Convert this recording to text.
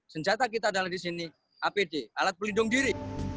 senjata kita adalah di sini apd alat pelindung diri